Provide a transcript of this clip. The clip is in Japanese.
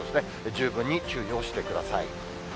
十分に注意をしてください。